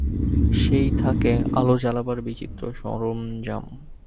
সেই থাকে আলো জ্বালাবার বিচিত্র সরঞ্জাম।